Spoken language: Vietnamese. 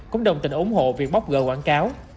cũng đồng tình ủng hộ việc bóc gỡ quảng cáo